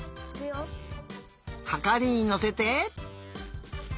はかりにのせて。